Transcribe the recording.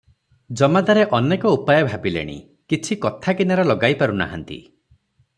ଜମାଦାରେ ଅନେକ ଉପାୟ ଭାବିଲେଣି, କିଛି କଥା କିନାରା ଲଗାଇ ପାରୁ ନାହାନ୍ତି ।